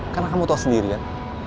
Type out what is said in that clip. karena kamu tahu sendirian